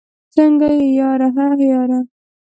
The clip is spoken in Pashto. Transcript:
څنګه يې ياره؟ هههه ياره